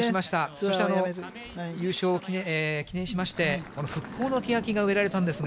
そして優勝を記念しまして、この復興のケヤキが植えられたんですが。